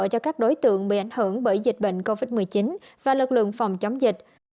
cho các đối tượng bị ảnh hưởng bởi dịch bệnh covid một mươi chín và lực lượng phòng chống dịch